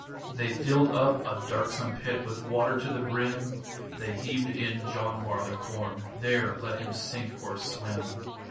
They filled up a darksome pit With water to the brim, They heaved in John Barleycorn There let him sink or swim.